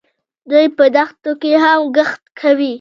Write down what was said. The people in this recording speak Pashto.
دوی په دښتو کې هم کښت کوي.